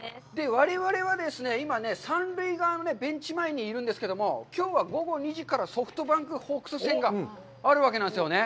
我々はですね、今三塁側のベンチ前にいるんですけれども、きょうは午後２時からソフトバンクホークス戦があるわけなんですよね。